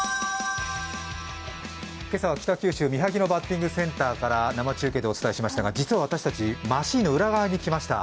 今朝は北九州市三萩野バッティングセンターから生中継でお伝えしましたが実は私たちマシンの裏側に来ました。